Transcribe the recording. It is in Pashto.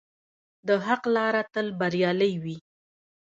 د حق لاره تل بریالۍ وي.